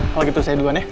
kalau gitu saya duluan ya